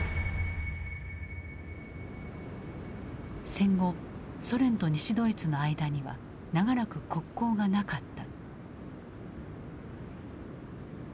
戦後ソ連と西ドイツの間には長らく国交がなかった。